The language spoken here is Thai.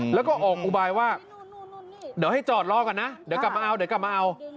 แล้วก็ออกอุบายว่าเดี๋ยวให้จอดรอก่อนนะเดี๋ยวกลับมาเอาเดี๋ยวกลับมาเอา